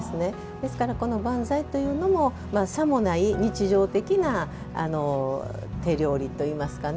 ですから、おばんざいというのもさもない日常的な手料理といいますかね。